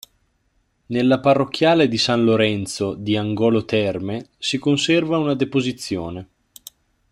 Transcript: Nella parrocchiale di San Lorenzo di Angolo Terme si conserva una Deposizione.